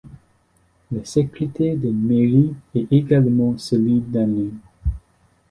Le secrétaire de mairie est également celui d'Anue.